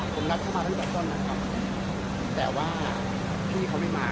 ผมแสดงเขามาตั้งแต่ต้นในครับแต่ว่าพี่เค้าไม่มาครับ